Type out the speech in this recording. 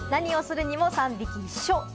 何をするにも３匹一緒。